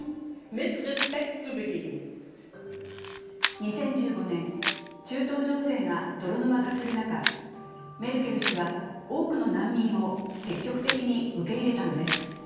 ２０１５年、中東情勢が泥沼化する中メルケル氏は多くの難民を積極的に受け入れたのです。